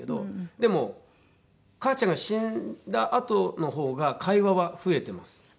でも母ちゃんが死んだあとの方が会話は増えてます。